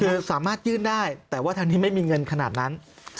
คือสามารถยื่นได้แต่ว่าทางนี้ไม่มีเงินขนาดนั้น